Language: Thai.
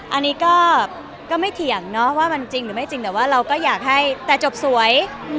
อันนี้ก็ไม่เถียงเนาะว่ามันจริงหรือไม่จริงแต่ว่าเราก็อยากให้แต่จบสวย